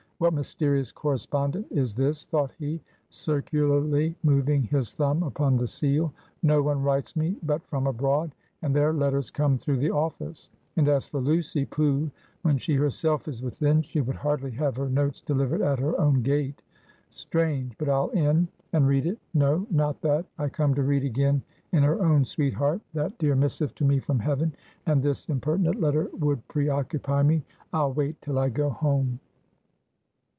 What mysterious correspondent is this, thought he, circularly moving his thumb upon the seal; no one writes me but from abroad; and their letters come through the office; and as for Lucy pooh! when she herself is within, she would hardly have her notes delivered at her own gate. Strange! but I'll in, and read it; no, not that; I come to read again in her own sweet heart that dear missive to me from heaven, and this impertinent letter would pre occupy me. I'll wait till I go home.